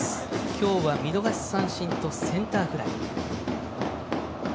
今日は見逃し三振とセンターフライ。